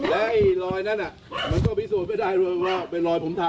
แล้วไอ้รอยนั้นน่ะมันก็วิสูญไม่ได้เลยว่าเป็นรอยผมทำ